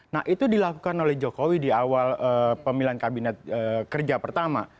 nah itu dilakukan oleh jokowi di awal pemilihan kabinet kerja pertama